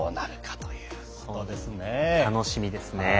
楽しみですね。